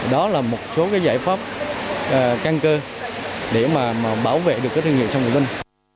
đó là một số cái giải pháp căn cơ để mà bảo vệ được cái thương hiệu sâm ngọc linh